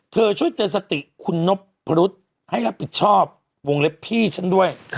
ช่วยเตือนสติคุณนพรุษให้รับผิดชอบวงเล็บพี่ฉันด้วย